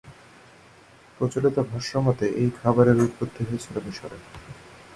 প্রচলিত ভাষ্যমতে এই খাবারের উৎপত্তি হয়েছিল মিশরে।